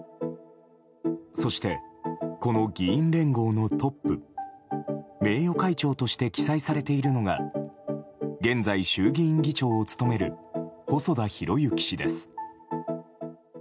そして、この議員連合のトップ名誉会長として記載されているのが現在、衆議院議長を務める細田博之氏です。